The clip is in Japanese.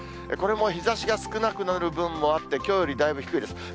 これも日ざしが少なくなる分もあって、きょうよりだいぶ低いです。